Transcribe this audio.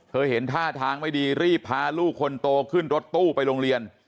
เห็นท่าทางไม่ดีรีบพาลูกคนโตขึ้นรถตู้ไปโรงเรียน